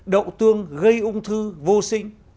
đậu tương gây ung thư vô sinh